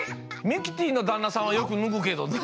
ミキティのだんなさんはよくぬぐけどね。